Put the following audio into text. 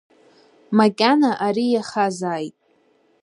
Макьана ари иахазааит…